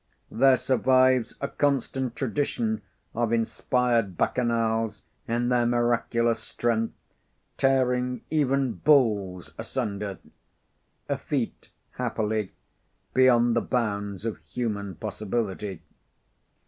There survives a constant tradition of inspired Bacchanals in their miraculous strength tearing even bulls asunder a feat, happily, beyond the bounds of human possibility.